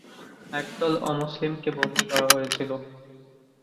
একদল অমুসলিম কে বন্দী করা হয়েছিল।